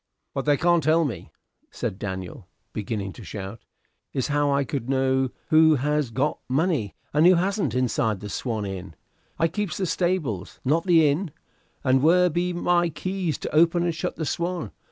"What they can't tell me," said Daniel, beginning to shout, "is how I could know who has got money, and who hasn't, inside the 'Swan' Inn. I keeps the stables, not the inn: and where be my keys to open and shut the 'Swan'?